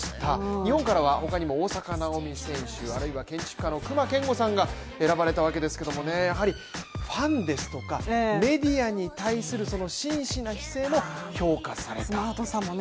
日本からは他にも大坂なおみ選手、建築家の隈研吾さんが選ばれたわけですけどやはりファンですとかメディアに対するしんしな姿勢も評価された。